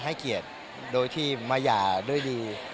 ให้เกียรติโดยที่มาหย่าด้วยดี